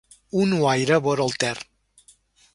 Un ouaire vora el Ter.